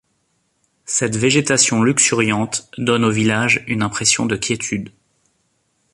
Cette végétation luxuriante donne au village une impression de quiétude.